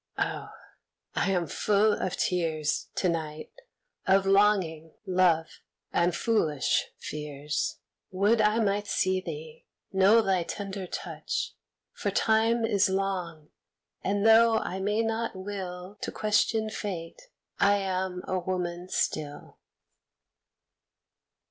Oh! I am full of tears To night, of longing, love and foolish fears. Would I might see thee, know thy tender touch, For Time is long, and though I may not will To question Fate, I am a woman still.